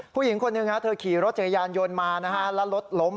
ผู้หญิงคนหนึ่งเธอขี่รถจักรยานยนต์มานะฮะแล้วรถล้ม